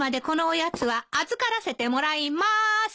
このおやつは預からせてもらいまーす。